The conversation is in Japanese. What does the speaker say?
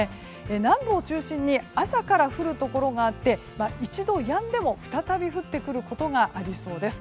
南部を中心に朝から降るところがあって一度、やんでも再び降ってくることがありそうです。